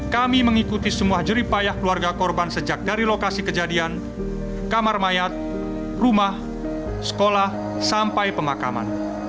kami mengikuti semua jeripayah keluarga korban sejak dari lokasi kejadian kamar mayat rumah sekolah sampai pemakaman